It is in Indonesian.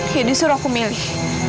ya disuruh aku milih